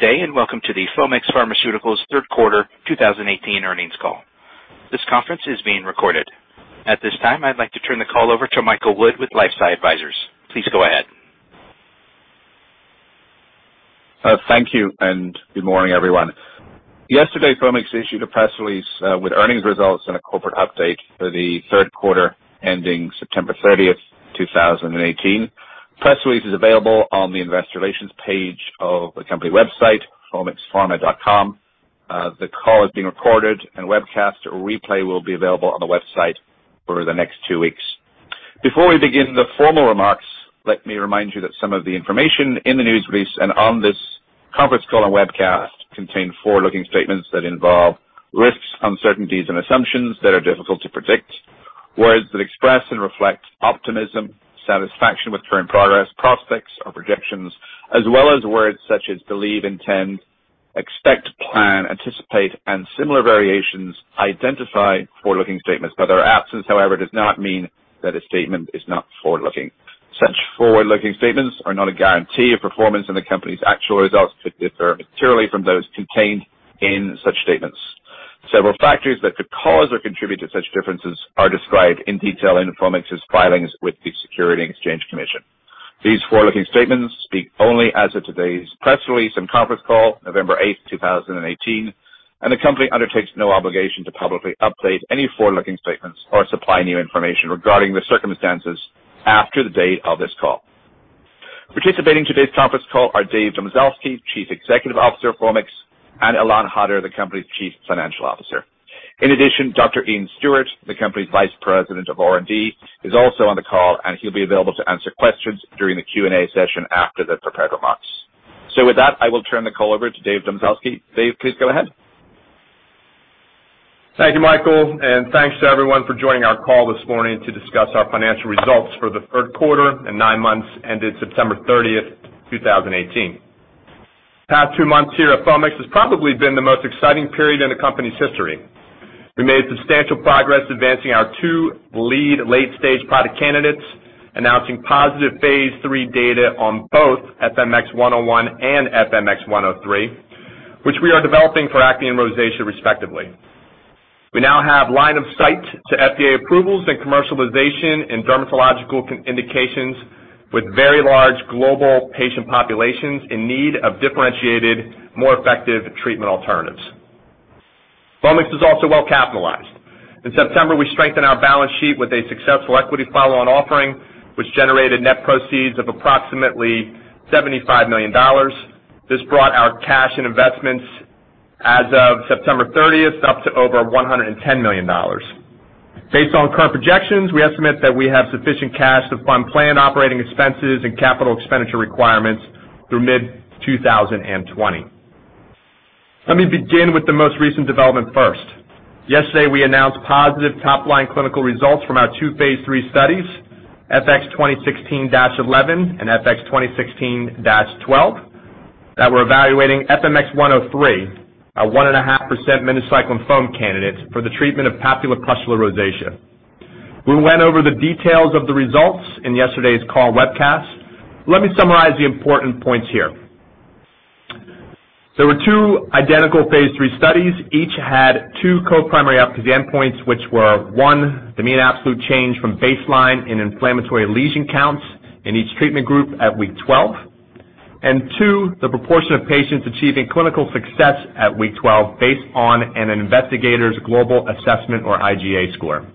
Today and welcome to the Foamix Pharmaceuticals third quarter 2018 earnings call. This conference is being recorded. At this time, I'd like to turn the call over to Michael Wood with LifeSci Advisors. Please go ahead. Thank you, and good morning, everyone. Yesterday, Foamix issued a press release with earnings results and a corporate update for the third quarter ending September 30th, 2018. The press release is available on the investor relations page of the company website, foamixpharma.com. The call is being recorded and webcast, a replay will be available on the website for the next two weeks. Before we begin the formal remarks, let me remind you that some of the information in the news release and on this conference call and webcast contain forward-looking statements that involve risks, uncertainties, and assumptions that are difficult to predict. Words that express and reflect optimism, satisfaction with current progress, prospects or projections, as well as words such as believe, intend, expect, plan, anticipate, and similar variations identify forward-looking statements. Their absence, however, does not mean that a statement is not forward-looking. Such forward-looking statements are not a guarantee of performance, and the company's actual results could differ materially from those contained in such statements. Several factors that could cause or contribute to such differences are described in detail in Foamix's filings with the Securities and Exchange Commission. These forward-looking statements speak only as of today's press release and conference call, November 8th, 2018, and the company undertakes no obligation to publicly update any forward-looking statements or supply new information regarding the circumstances after the date of this call. Participating in today's conference call are Dave Domzalski, Chief Executive Officer of Foamix, and Ilan Hadar, the company's Chief Financial Officer. In addition, Dr. Iain Stewart, the company's Vice President of R&D, is also on the call, and he'll be available to answer questions during the Q&A session after the prepared remarks. With that, I will turn the call over to Dave Domzalski. Dave, please go ahead. Thank you, Michael, and thanks to everyone for joining our call this morning to discuss our financial results for the third quarter and nine months ended September 30th, 2018. Past two months here at Foamix has probably been the most exciting period in the company's history. We made substantial progress advancing our two lead late-stage product candidates, announcing positive phase III data on both FMX101 and FMX103, which we are developing for acne and rosacea respectively. We now have line of sight to FDA approvals and commercialization in dermatological indications with very large global patient populations in need of differentiated, more effective treatment alternatives. Foamix is also well-capitalized. In September, we strengthened our balance sheet with a successful equity follow-on offering, which generated net proceeds of approximately $75 million. This brought our cash and investments as of September 30th, up to over $110 million. Based on current projections, we estimate that we have sufficient cash to fund planned operating expenses and capital expenditure requirements through mid-2020. Let me begin with the most recent development first. Yesterday, we announced positive top-line clinical results from our two phase III studies, FX2016-11 and FX2016-12, that we're evaluating FMX103, our 1.5% minocycline foam candidate for the treatment of papulopustular rosacea. We went over the details of the results in yesterday's call webcast. Let me summarize the important points here. There were two identical phase III studies. Each had two co-primary efficacy endpoints, which were, one, the mean absolute change from baseline in inflammatory lesion counts in each treatment group at week 12. Two, the proportion of patients achieving clinical success at week 12 based on an investigator's global assessment or IGA score.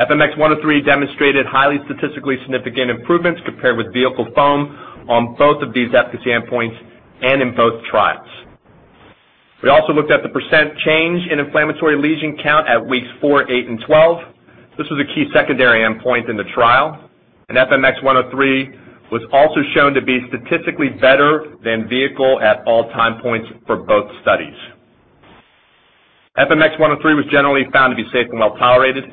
FMX103 demonstrated highly statistically significant improvements compared with vehicle foam on both of these efficacy endpoints and in both trials. We also looked at the percent change in inflammatory lesion count at weeks four, eight, and 12. This was a key secondary endpoint in the trial. FMX103 was also shown to be statistically better than vehicle at all time points for both studies. FMX103 was generally found to be safe and well-tolerated.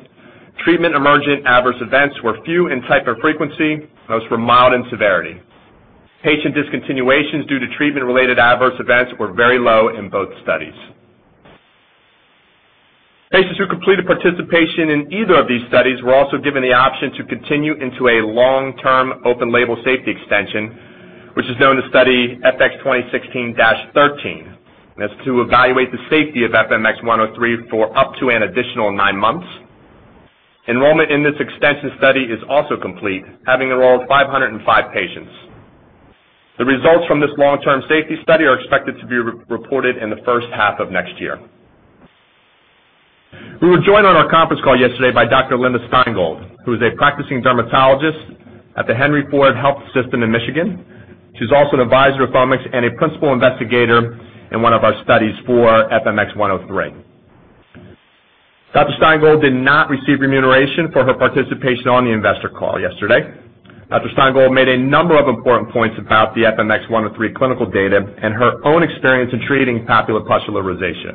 Treatment emergent adverse events were few in type or frequency, most were mild in severity. Patient discontinuations due to treatment-related adverse events were very low in both studies. Patients who completed participation in either of these studies were also given the option to continue into a long-term open label safety extension, which is known as study FX2016-13. That's to evaluate the safety of FMX103 for up to an additional nine months. Enrollment in this extension study is also complete, having enrolled 505 patients. The results from this long-term safety study are expected to be reported in the first half of next year. We were joined on our conference call yesterday by Dr. Linda Stein Gold, who is a practicing dermatologist at the Henry Ford Health System in Michigan. She's also an advisor of Foamix and a principal investigator in one of our studies for FMX103. Dr. Stein Gold did not receive remuneration for her participation on the investor call yesterday. Dr. Stein Gold made a number of important points about the FMX103 clinical data and her own experience in treating papulopustular rosacea.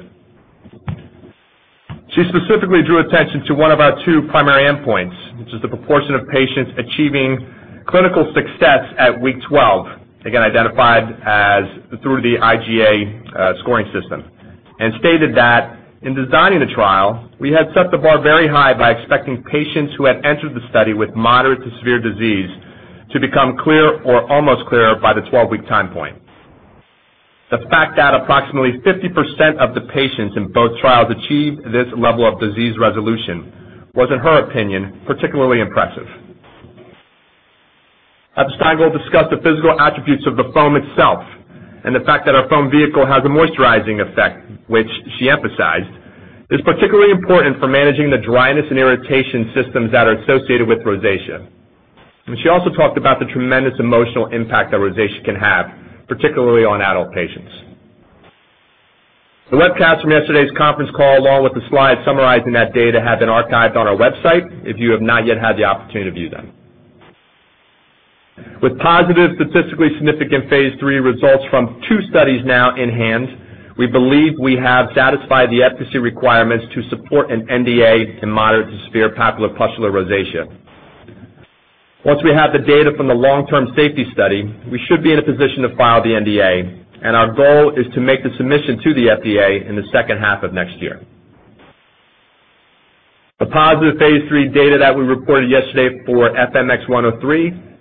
She specifically drew attention to one of our two primary endpoints, which is the proportion of patients achieving clinical success at week 12, again, identified as through the IGA scoring system. Stated that in designing the trial, we had set the bar very high by expecting patients who had entered the study with moderate to severe disease to become clear or almost clear by the 12-week time point. The fact that approximately 50% of the patients in both trials achieved this level of disease resolution was, in her opinion, particularly impressive. Stein Gold will discuss the physical attributes of the foam itself and the fact that our foam vehicle has a moisturizing effect, which she emphasized is particularly important for managing the dryness and irritation symptoms that are associated with rosacea. She also talked about the tremendous emotional impact that rosacea can have, particularly on adult patients. The webcast from yesterday's conference call, along with the slides summarizing that data, has been archived on our website if you have not yet had the opportunity to view them. With positive statistically significant phase III results from two studies now in hand, we believe we have satisfied the efficacy requirements to support an NDA in moderate to severe papulopustular rosacea. Once we have the data from the long-term safety study, we should be in a position to file the NDA, and our goal is to make the submission to the FDA in the second half of next year. The positive phase III data that we reported yesterday for FMX103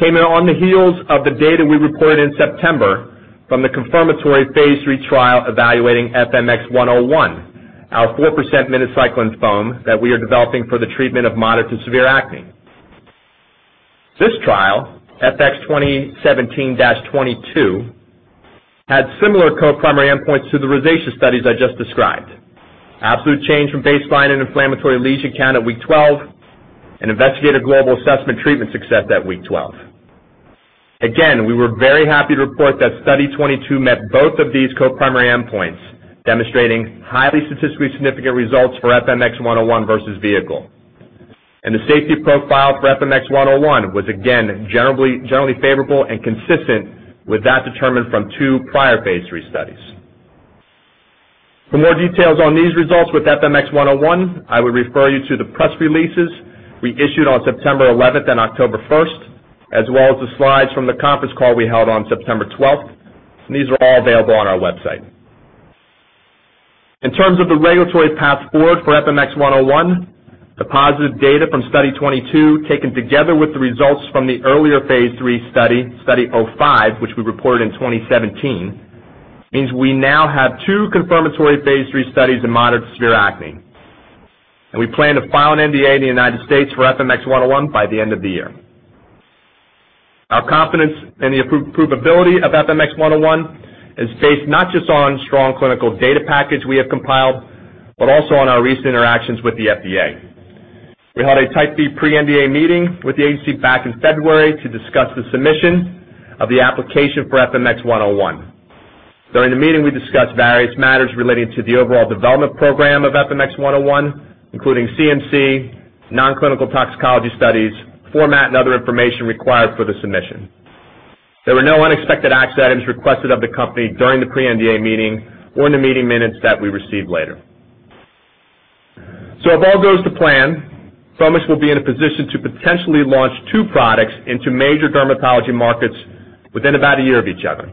came in on the heels of the data we reported in September from the confirmatory phase III trial evaluating FMX101, our 4% minocycline foam that we are developing for the treatment of moderate to severe acne. This trial, FX2017-22, had similar co-primary endpoints to the rosacea studies I just described. Absolute change from baseline and inflammatory lesion count at week 12, and investigator's global assessment treatment success at week 12. Again, we were very happy to report that study 22 met both of these co-primary endpoints, demonstrating highly statistically significant results for FMX101 versus vehicle. The safety profile for FMX101 was again, generally favorable and consistent with that determined from two prior phase III studies. For more details on these results with FMX101, I would refer you to the press releases we issued on September 11th and October 1st, as well as the slides from the conference call we held on September 12th. These are all available on our website. In terms of the regulatory path forward for FMX101, the positive data from study 22, taken together with the results from the earlier phase III study 05, which we reported in 2017, means we now have two confirmatory phase III studies in moderate to severe acne. We plan to file an NDA in the United States for FMX101 by the end of the year. Our confidence in the approvability of FMX101 is based not just on strong clinical data package we have compiled, but also on our recent interactions with the FDA. We held a Type B pre-NDA meeting with the agency back in February to discuss the submission of the application for FMX101. During the meeting, we discussed various matters relating to the overall development program of FMX101, including CMC, non-clinical toxicology studies, format, and other information required for the submission. There were no unexpected action items requested of the company during the pre-NDA meeting or in the meeting minutes that we received later. If all goes to plan, Foamix will be in a position to potentially launch two products into major dermatology markets within about a year of each other.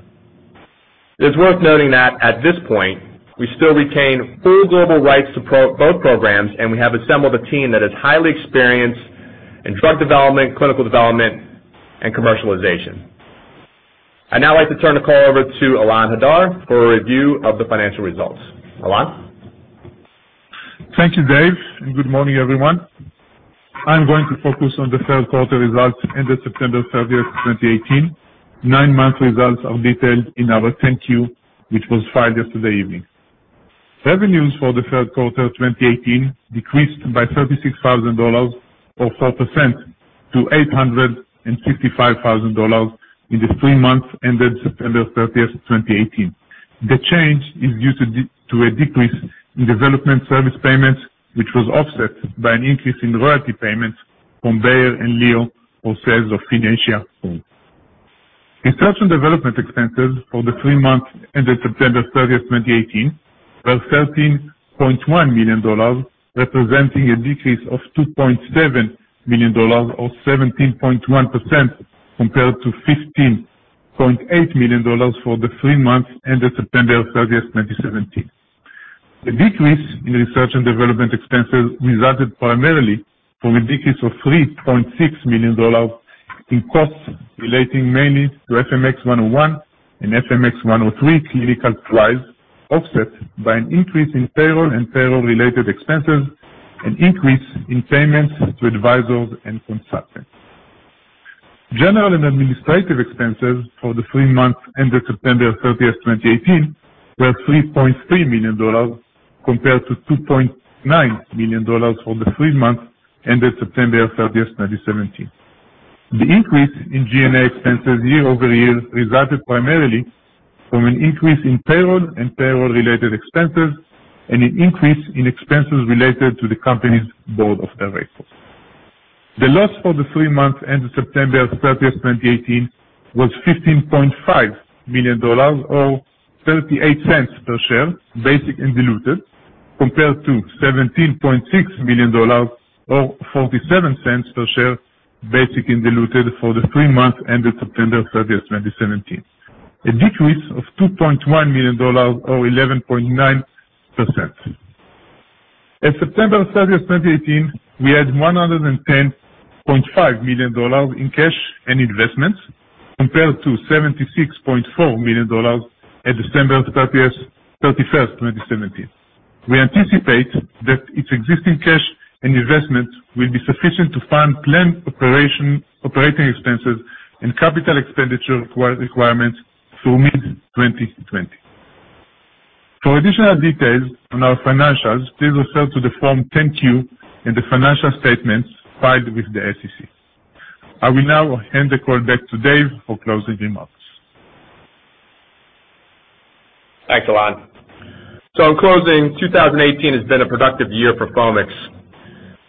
It is worth noting that at this point, we still retain full global rights to both programs, and we have assembled a team that is highly experienced in drug development, clinical development, and commercialization. I'd now like to turn the call over to Ilan Hadar for a review of the financial results. Ilan? Thank you, Dave, and good morning, everyone. I'm going to focus on the third quarter results ended September 30th, 2018. Nine-month results are detailed in our 10-Q, which was filed yesterday evening. Revenues for the third quarter 2018 decreased by $36,000 or 4% to $855,000 in the three months ended September 30th, 2018. The change is due to a decrease in development service payments, which was offset by an increase in royalty payments from Bayer and Leo, or sales of Finacea foam. Research and development expenses for the three months ended September 30th, 2018, were $13.1 million, representing a decrease of $2.7 million or 17.1% compared to $15.8 million for the three months ended September 30th, 2017. The decrease in research and development expenses resulted primarily from a decrease of $3.6 million in costs relating mainly to FMX101 and FMX103 clinical trials, offset by an increase in payroll and payroll-related expenses and increase in payments to advisors and consultants. General and administrative expenses for the three months ended September 30th, 2018, were $3.3 million compared to $2.9 million for the three months ended September 30th, 2017. The increase in G&A expenses year-over-year resulted primarily from an increase in payroll and payroll-related expenses and an increase in expenses related to the company's board of directors. The loss for the three months ended September 30th, 2018, was $15.5 million or $0.38 per share, basic and diluted, compared to $17.6 million, or $0.47 per share, basic and diluted for the three months ended September 30th, 2017. A decrease of $2.1 million, or 11.9%. At September 30th, 2018, we had $110.5 million in cash and investments, compared to $76.4 million at December 31st, 2017. We anticipate that its existing cash and investments will be sufficient to fund planned operating expenses and capital expenditure requirements through mid-2020. For additional details on our financials, please refer to the form 10-Q and the financial statements filed with the SEC. I will now hand the call back to Dave for closing remarks. Thanks, Ilan. In closing, 2018 has been a productive year for Foamix.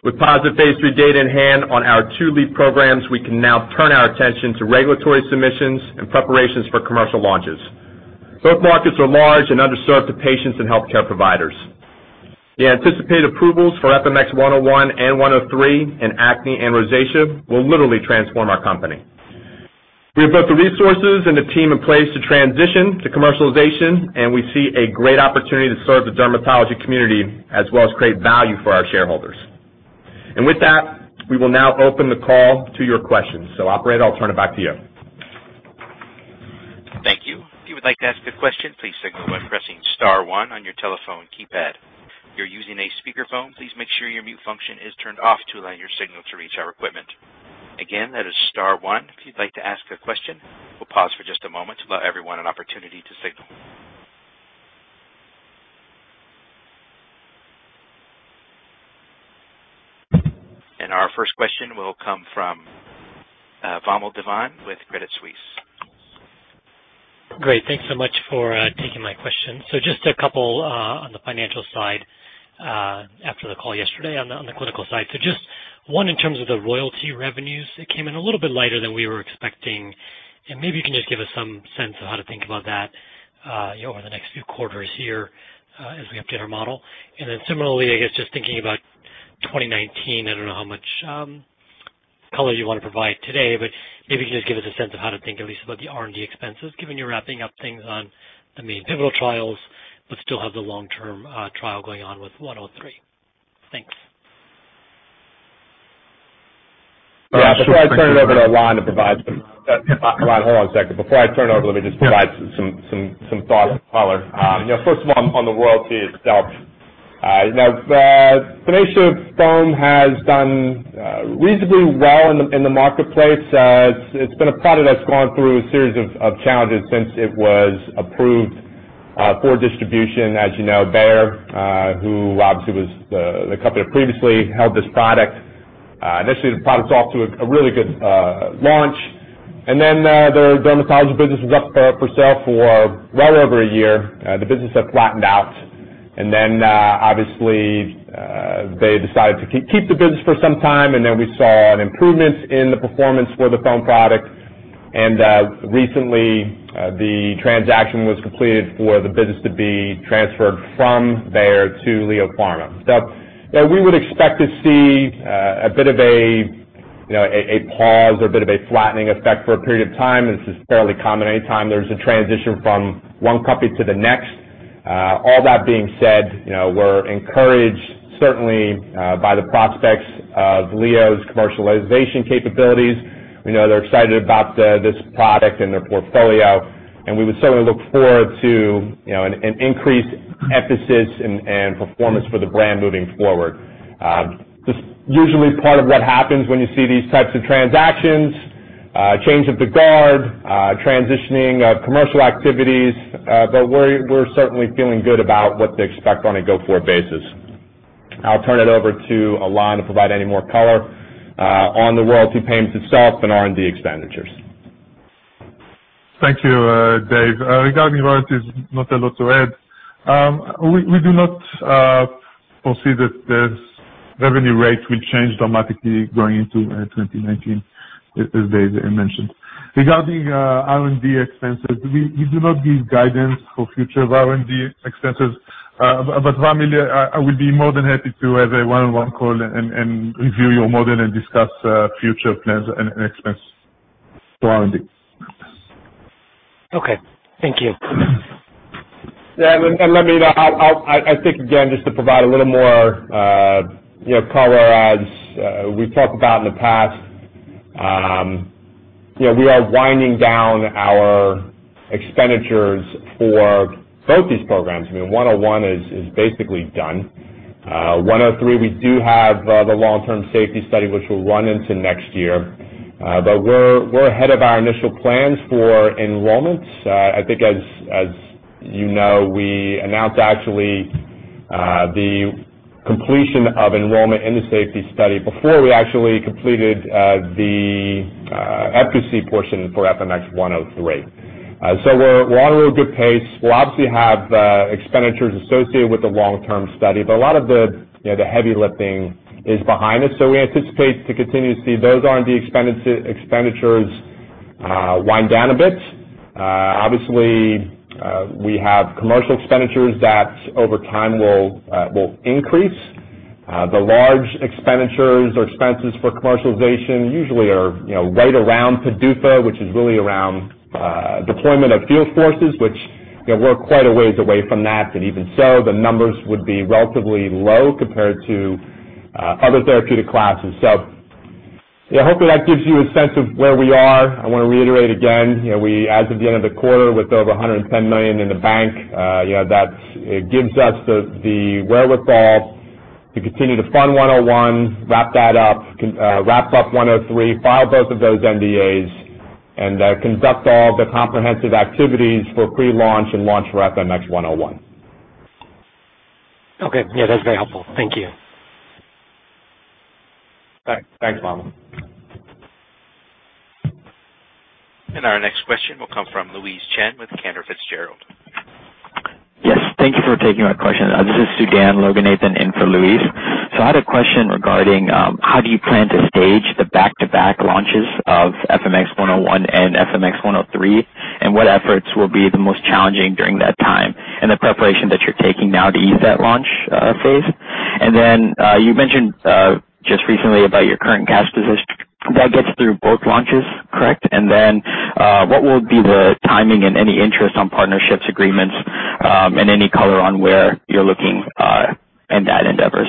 With positive phase III data in hand on our two lead programs, we can now turn our attention to regulatory submissions and preparations for commercial launches. Both markets are large and underserved to patients and healthcare providers. The anticipated approvals for FMX101 and 103 in acne and rosacea will literally transform our company. We have both the resources and the team in place to transition to commercialization, and we see a great opportunity to serve the dermatology community as well as create value for our shareholders. With that, we will now open the call to your questions. Operator, I'll turn it back to you. Thank you. If you would like to ask a question, please signal by pressing *1 on your telephone keypad. If you're using a speakerphone, please make sure your mute function is turned off to allow your signal to reach our equipment. Again, that is *1 if you'd like to ask a question. We'll pause for just a moment to allow everyone an opportunity to signal. Our first question will come from Vamil Divan with Credit Suisse. Great. Thanks so much for taking my question. Just a couple on the financial side, after the call yesterday on the clinical side. Just, one, in terms of the royalty revenues, it came in a little bit lighter than we were expecting. Maybe you can just give us some sense of how to think about that over the next few quarters here as we update our model. Then similarly, I guess, just thinking about 2019, I don't know how much color you want to provide today, but maybe you can just give us a sense of how to think at least about the R&D expenses, given you're wrapping up things on the main pivotal trials, but still have the long-term trial going on with 103. Thanks. Yeah. Before I turn it over to Ilan to provide some Ilan, hold on a second. Before I turn it over, let me just provide some thought and color. First of all, on the royalty itself. Finacea foam has done reasonably well in the marketplace. It's been a product that's gone through a series of challenges since it was approved for distribution. As you know, Bayer who obviously was the company that previously held this product. Initially, the product's off to a really good launch. Then their dermatology business was up for sale for well over a year. The business had flattened out. Then, obviously, Bayer decided to keep the business for some time, and then we saw an improvement in the performance for the foam product. Recently, the transaction was completed for the business to be transferred from Bayer to LEO Pharma. We would expect to see a bit of a pause or a bit of a flattening effect for a period of time. This is fairly common any time there's a transition from one company to the next. All that being said, we're encouraged, certainly, by the prospects of LEO's commercialization capabilities. We know they're excited about this product and their portfolio, and we would certainly look forward to an increased emphasis and performance for the brand moving forward. Just usually part of what happens when you see these types of transactions, change of the guard, transitioning of commercial activities, but we're certainly feeling good about what to expect on a go-forward basis. I'll turn it over to Ilan to provide any more color on the royalty payments itself and R&D expenditures. Thank you, Dave. Regarding royalties, not a lot to add. We do not foresee that this revenue rate will change dramatically going into 2019, as Dave mentioned. Regarding R&D expenses, we do not give guidance for future R&D expenses. Vamil, I would be more than happy to have a one-on-one call and review your model and discuss future plans and expense for R&D. Okay. Thank you. Let me, I think, again, just to provide a little more color as we've talked about in the past. We are winding down our expenditures for both these programs. I mean, 101 is basically done. 103, we do have the long-term safety study, which will run into next year. But we're ahead of our initial plans for enrollments. I think as you know, we announced actually the completion of enrollment in the safety study before we actually completed the efficacy portion for FMX103. We're on a really good pace. We'll obviously have expenditures associated with the long-term study, but a lot of the heavy lifting is behind us. We anticipate to continue to see those R&D expenditures wind down a bit. Obviously, we have commercial expenditures that over time will increase. The large expenditures or expenses for commercialization usually are right around PDUFA, which is really around deployment of field forces, which we're quite a ways away from that. Even so, the numbers would be relatively low compared to other therapeutic classes. Hopefully that gives you a sense of where we are. I want to reiterate again, as of the end of the quarter, with over $110 million in the bank, that gives us the wherewithal to continue to fund 101, wrap that up, wrap up 103, file both of those NDAs, and conduct all the comprehensive activities for pre-launch and launch for FMX101. Okay. Yeah, that's very helpful. Thank you. Thanks, Vamil. Our next question will come from Louise Chen with Cantor Fitzgerald. Yes. Thank you for taking my question. This is Sudan Loganathan in for Louise Chen. I had a question regarding how do you plan to stage the back-to-back launches of FMX101 and FMX103, and what efforts will be the most challenging during that time, and the preparation that you're taking now to ease that launch phase? You mentioned, just recently about your current cash position that gets through both launches, correct? What will be the timing and any interest on partnerships, agreements, and any color on where you're looking in that endeavors?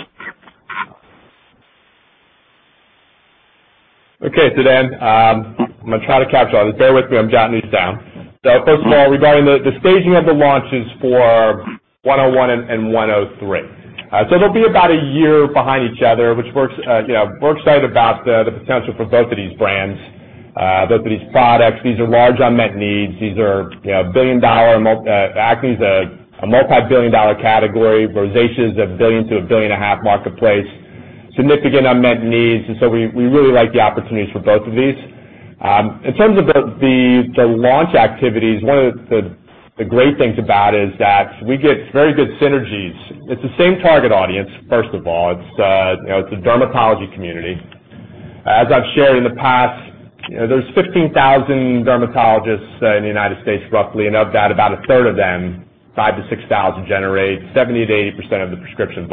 Okay. Sudan, I'm going to try to capture all this. Bear with me, I'm jotting these down. First of all, regarding the staging of the launches for 101 and 103. They'll be about one year behind each other, which we're excited about the potential for both of these brands, both of these products. These are large unmet needs. Acne is a $multi-billion category. Rosacea is a $1 billion to $1.5 billion marketplace. Significant unmet needs, we really like the opportunities for both of these. In terms of the launch activities, one of the great things about it is that we get very good synergies. It's the same target audience, first of all. It's the dermatology community. As I've shared in the past, there's 15,000 dermatologists in the U.S., roughly, and of that, about a third of them, 5,000 to 6,000, generate 70%-80% of the prescription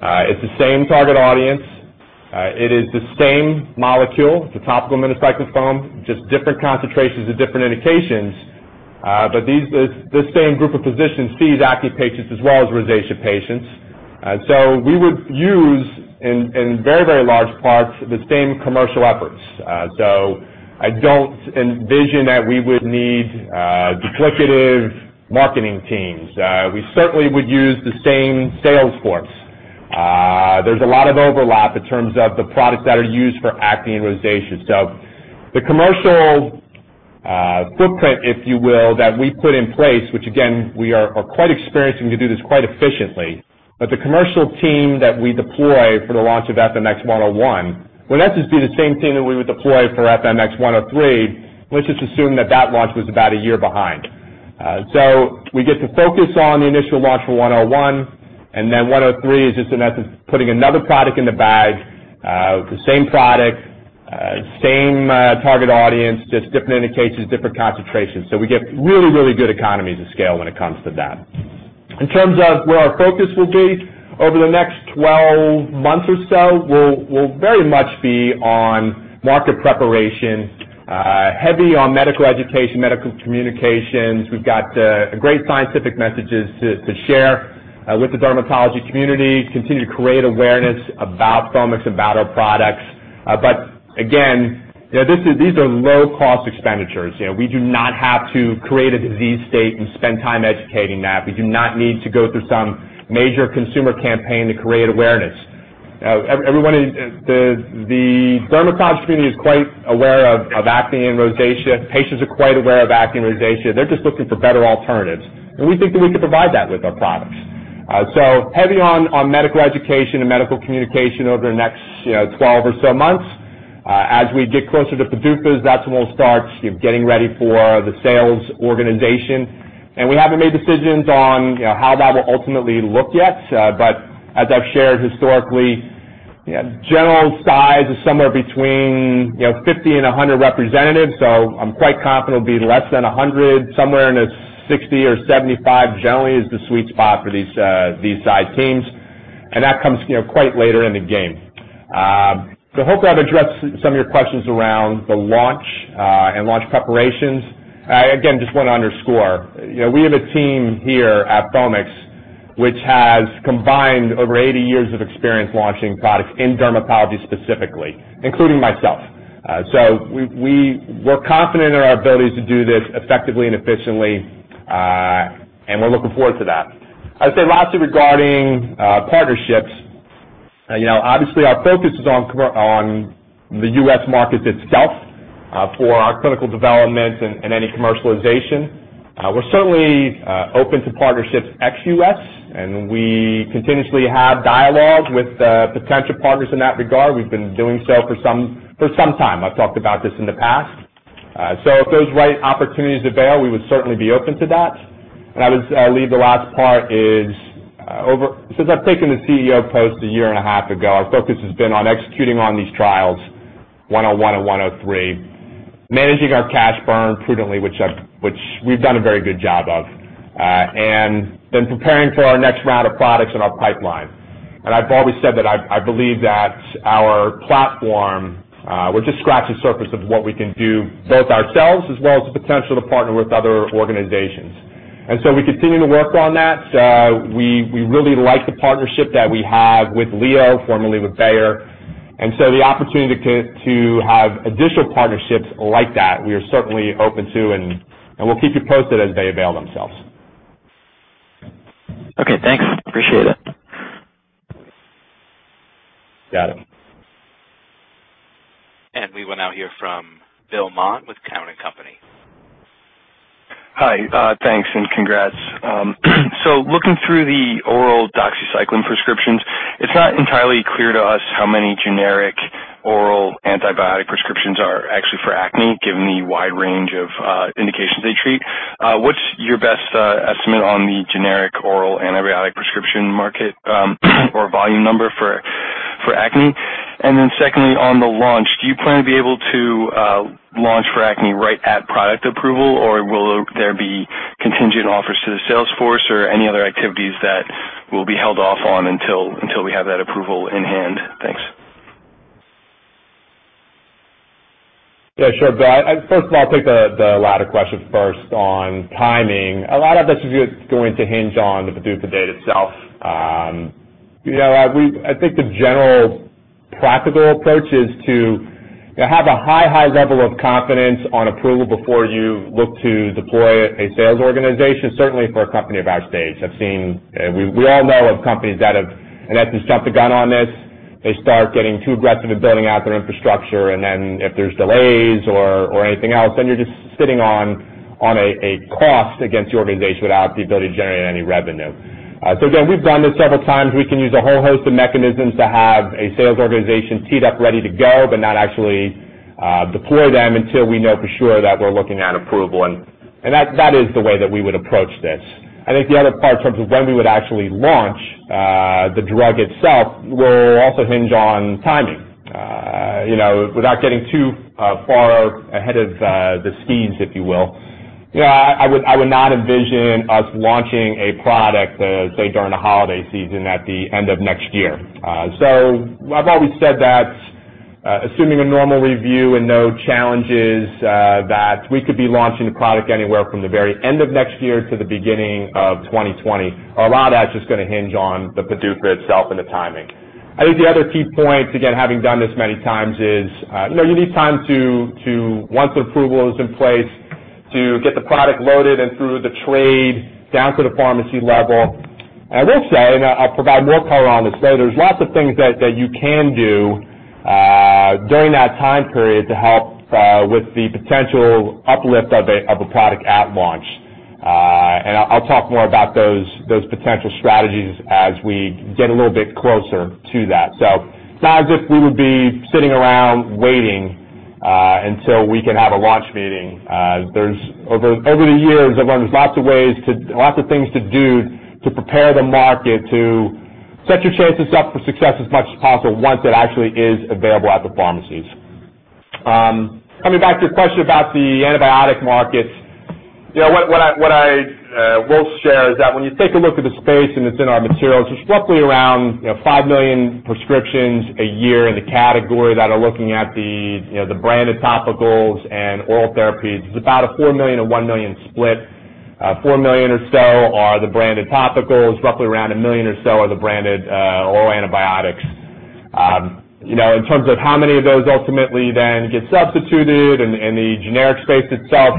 volume. It's the same target audience. It is the same molecule. It's a topical minocycline foam, just different concentrations and different indications. This same group of physicians sees acne patients as well as rosacea patients. We would use, in very large parts, the same commercial efforts. I don't envision that we would need duplicative marketing teams. We certainly would use the same sales force. There's a lot of overlap in terms of the products that are used for acne and rosacea. The commercial footprint, if you will, that we put in place, which again, we are quite experienced and can do this quite efficiently, but the commercial team that we deploy for the launch of FMX101 would essentially be the same team that we would deploy for FMX103. Let's just assume that that launch was about one year behind. 103 is just a method of putting another product in the bag. The same product, same target audience, just different indications, different concentrations. We get really good economies of scale when it comes to that. In terms of where our focus will be over the next 12 months or so, we'll very much be on market preparation, heavy on medical education, medical communications. We've got great scientific messages to share with the dermatology community, continue to create awareness about Foamix, about our products. Again, these are low-cost expenditures. We do not have to create a disease state and spend time educating that. We do not need to go through some major consumer campaign to create awareness. The dermatology community is quite aware of acne and rosacea. Patients are quite aware of acne and rosacea. They're just looking for better alternatives, and we think that we can provide that with our products. Heavy on medical education and medical communication over the next 12 or so months. As we get closer to PDUFAs, that's when we'll start getting ready for the sales organization. We haven't made decisions on how that will ultimately look yet. As I've shared historically, general size is somewhere between 50 and 100 representatives. I'm quite confident it'll be less than 100. Somewhere in the 60 or 75 generally is the sweet spot for these size teams, and that comes quite later in the game. Hopefully I've addressed some of your questions around the launch, and launch preparations. Again, just want to underscore, we have a team here at Foamix which has combined over 80 years of experience launching products in dermatology specifically, including myself. We're confident in our abilities to do this effectively and efficiently, and we're looking forward to that. I'd say lastly regarding partnerships. Obviously, our focus is on the U.S. market itself, for our clinical development and any commercialization. We're certainly open to partnerships ex-U.S., and we continuously have dialogue with potential partners in that regard. We've been doing so for some time. I've talked about this in the past. If those right opportunities avail, we would certainly be open to that. I would leave the last part is, since I've taken the CEO post a year and a half ago, our focus has been on executing on these trials 101 and 103, managing our cash burn prudently, which we've done a very good job of, and then preparing for our next round of products in our pipeline. I've always said that I believe that our platform will just scratch the surface of what we can do, both ourselves, as well as the potential to partner with other organizations. We continue to work on that. We really like the partnership that we have with LEO, formerly with Bayer. The opportunity to have additional partnerships like that, we are certainly open to, and we'll keep you posted as they avail themselves. Okay, thanks. Appreciate it. Got it. We will now hear from Bill Mott with Cowen and Company. Hi. Thanks and congrats. Looking through the oral doxycycline prescriptions, it's not entirely clear to us how many generic oral antibiotic prescriptions are actually for acne, given the wide range of indications they treat. What's your best estimate on the generic oral antibiotic prescription market or volume number for acne? Secondly, on the launch, do you plan to be able to launch for acne right at product approval, or will there be contingent offers to the sales force or any other activities that will be held off on until we have that approval in hand? Thanks. Yeah, sure. Bill. First of all, I'll take the latter question first on timing. A lot of it is going to hinge on the PDUFA date itself. I think the general practical approach is to have a high level of confidence on approval before you look to deploy a sales organization, certainly for a company of our stage. We all know of companies that have, and had to jump the gun on this. They start getting too aggressive in building out their infrastructure, and then if there's delays or anything else, then you're just sitting on a cost against the organization without the ability to generate any revenue. Again, we've done this several times. We can use a whole host of mechanisms to have a sales organization teed up, ready to go, but not actually deploy them until we know for sure that we're looking at approval. That is the way that we would approach this. I think the other part in terms of when we would actually launch the drug itself will also hinge on timing. Without getting too far ahead of the skis, if you will, I would not envision us launching a product, say, during the holiday season at the end of next year. I've always said that, assuming a normal review and no challenges, that we could be launching the product anywhere from the very end of next year to the beginning of 2020. A lot of that's just going to hinge on the PDUFA itself and the timing. I think the other key point, again, having done this many times is, you need time to, once approval is in place, to get the product loaded and through the trade down to the pharmacy level. I will say, and I'll provide more color on this later, there's lots of things that you can do during that time period to help with the potential uplift of a product at launch. I'll talk more about those potential strategies as we get a little bit closer to that. It's not as if we would be sitting around waiting until we can have a launch meeting. Over the years, I've learned there's lots of ways, lots of things to do to prepare the market to set your chances up for success as much as possible once it actually is available at the pharmacies. Coming back to your question about the antibiotic markets. What I will share is that when you take a look at the space, and it's in our materials, it's roughly around 5 million prescriptions a year in the category that are looking at the branded topicals and oral therapies. It's about a 4 million to 1 million split. 4 million or so are the branded topicals. Roughly around 1 million or so are the branded oral antibiotics. In terms of how many of those ultimately then get substituted in the generic space itself,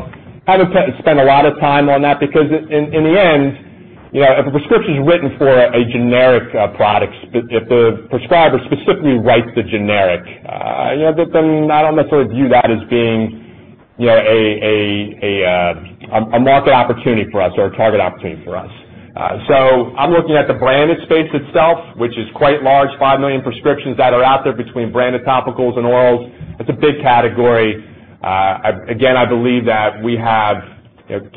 haven't spent a lot of time on that because in the end, if a prescription is written for a generic product, if the prescriber specifically writes the generic, then I don't necessarily view that as being a market opportunity for us or a target opportunity for us. I'm looking at the branded space itself, which is quite large, 5 million prescriptions that are out there between branded topicals and orals. It's a big category. Again, I believe that we have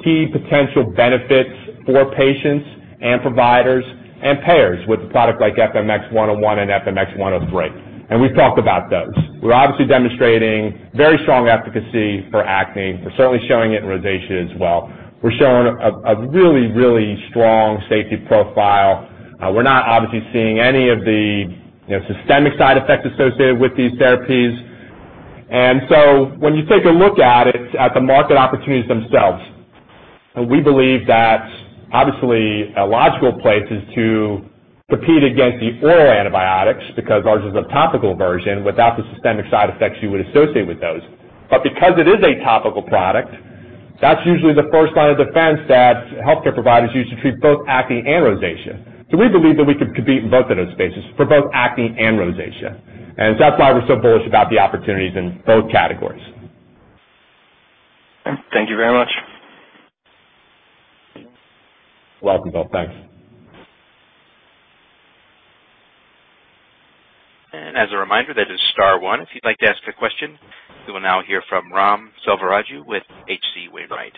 key potential benefits for patients and providers and payers with a product like FMX101 and FMX103. We've talked about those. We're obviously demonstrating very strong efficacy for acne. We're certainly showing it in rosacea as well. We're showing a really strong safety profile. We're not obviously seeing any of the systemic side effects associated with these therapies. When you take a look at it, at the market opportunities themselves, we believe that obviously a logical place is to compete against the oral antibiotics because ours is a topical version without the systemic side effects you would associate with those. Because it is a topical product, that's usually the first line of defense that healthcare providers use to treat both acne and rosacea. We believe that we could compete in both of those spaces for both acne and rosacea. That's why we're so bullish about the opportunities in both categories. Thank you very much. You're welcome, Bill. Thanks. As a reminder, that is star one if you'd like to ask a question. We will now hear from Ram Selvaraju with H.C. Wainwright.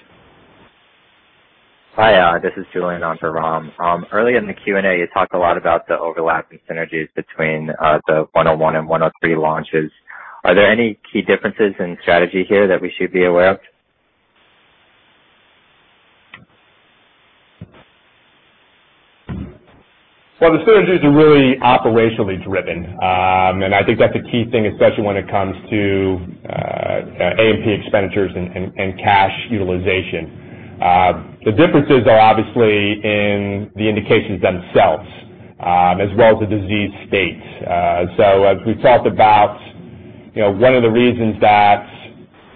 Hi, this is Julian onto Ram. Early in the Q&A, you talked a lot about the overlap and synergies between the 101 and 103 launches. Are there any key differences in strategy here that we should be aware of? Well, the synergies are really operationally driven. I think that's a key thing, especially when it comes to A&P expenditures and cash utilization. The differences are obviously in the indications themselves, as well as the disease states. As we've talked about, one of the reasons that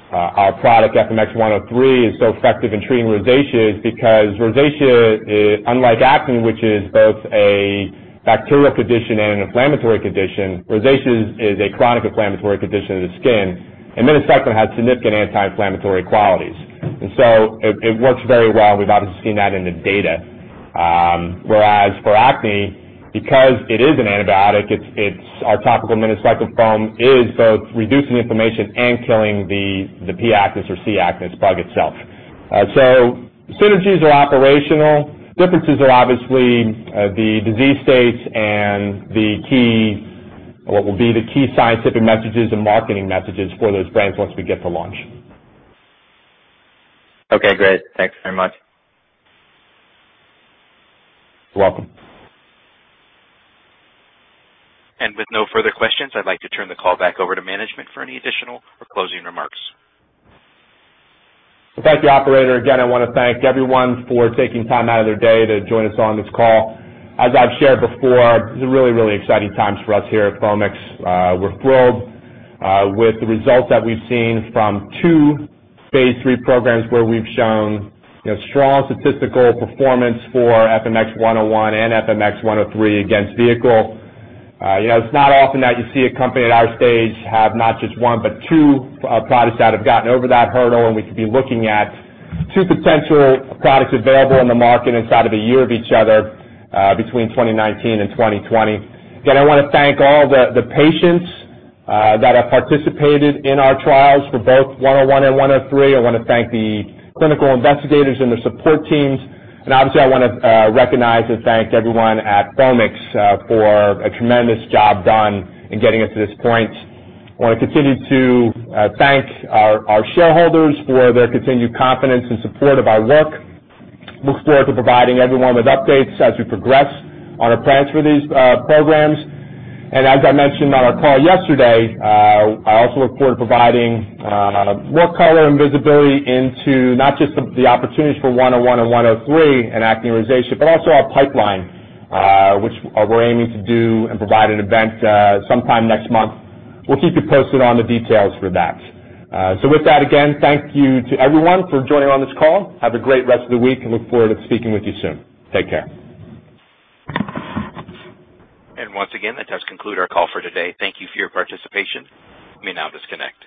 our product, FMX103, is so effective in treating rosacea is because rosacea is, unlike acne, which is both a bacterial condition and an inflammatory condition, rosacea is a chronic inflammatory condition of the skin, and minocycline has significant anti-inflammatory qualities. It works very well. We've obviously seen that in the data. Whereas for acne, because it is an antibiotic, our topical minocycline foam is both reducing inflammation and killing the P. acnes or C. acnes bug itself. Synergies are operational. Differences are obviously the disease states and what will be the key scientific messages and marketing messages for those brands once we get to launch. Okay, great. Thanks very much. You're welcome. With no further questions, I'd like to turn the call back over to management for any additional or closing remarks. Well, thank you, operator. Again, I want to thank everyone for taking time out of their day to join us on this call. As I've shared before, these are really, really exciting times for us here at Foamix. We're thrilled with the results that we've seen from two phase III programs where we've shown strong statistical performance for FMX101 and FMX103 against vehicle. It's not often that you see a company at our stage have not just one, but two products that have gotten over that hurdle, and we could be looking at two potential products available in the market inside of a year of each other between 2019 and 2020. Again, I want to thank all the patients that have participated in our trials for both 101 and 103. I want to thank the clinical investigators and their support teams, and obviously I want to recognize and thank everyone at Foamix for a tremendous job done in getting us to this point. I want to continue to thank our shareholders for their continued confidence and support of our work. Look forward to providing everyone with updates as we progress on our plans for these programs. As I mentioned on our call yesterday, I also look forward to providing more color and visibility into not just the opportunities for 101 and 103 in acne and rosacea, but also our pipeline, which we're aiming to do and provide an event sometime next month. We'll keep you posted on the details for that. With that, again, thank you to everyone for joining on this call. Have a great rest of the week and look forward to speaking with you soon. Take care. Once again, that does conclude our call for today. Thank you for your participation. You may now disconnect.